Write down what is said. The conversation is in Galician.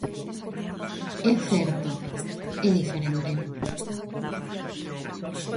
É certo: é diferente.